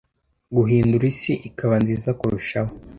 guhindura isi ikaba nziza kurushaho